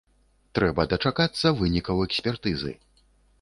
Трэба дачакацца вынікаў экспертызы.